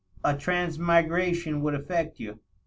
. a transmigration would affect you